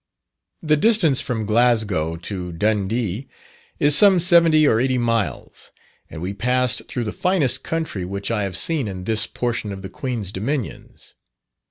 The distance from Glasgow to Dundee is some seventy or eighty miles, and we passed through the finest country which I have seen in this portion of the Queen's dominions.